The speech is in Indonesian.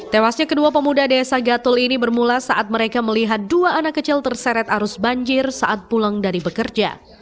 tewasnya kedua pemuda desa gatul ini bermula saat mereka melihat dua anak kecil terseret arus banjir saat pulang dari bekerja